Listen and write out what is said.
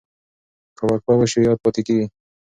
که وقفه وشي یاد پاتې کېږي.